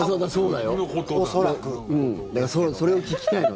だからそれを聞きたいの。